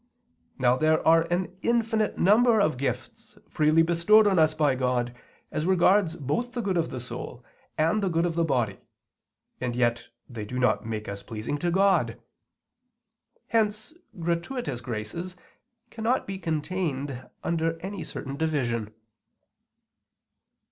Now there are an infinite number of gifts freely bestowed on us by God as regards both the good of the soul and the good of the body and yet they do not make us pleasing to God. Hence gratuitous graces cannot be contained under any certain division.